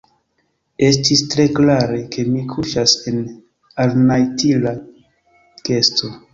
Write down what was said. Estis tre klare, ke mi kuŝas en alnajlita kesto.